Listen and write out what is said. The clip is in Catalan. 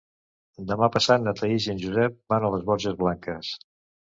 Demà passat na Thaís i en Josep van a les Borges Blanques.